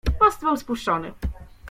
"Most był spuszczony."